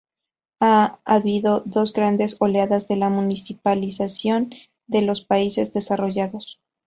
Ha habido dos grandes oleadas de la municipalización de los países desarrollados.